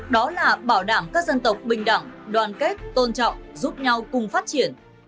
đó là bảo đảm các dân tộc bình đẳng đoàn kết tôn trọng giúp nhau cùng phát triển